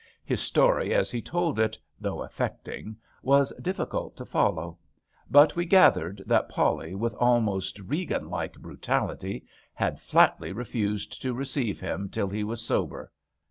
His story as he told it, though affecting, was difficult to follow ; but we gathered that Polly, with almost Regan like brutality, had flatly refused to receive him till he was sober.